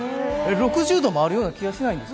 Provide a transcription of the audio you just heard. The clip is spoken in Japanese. ６０度もあるような気がしないんですよ。